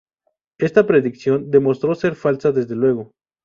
Esta predicción demostró ser falsa desde luego.